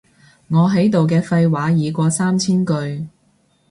我喺度啲廢話已過三千句